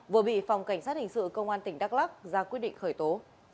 vừa bị phòng cảnh sát hình sự công an tỉnh đắk lắc ra quyết định khởi tố